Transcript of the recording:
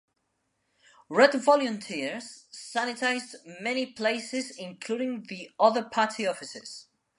Red Volunteers sanitized many places including the other party offices.